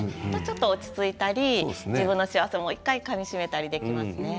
落ち着いたり、自分の幸せをかみしめたりできますね。